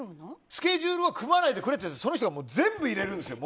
スケジュールを組まないでくれって言うのに全部入れるんです。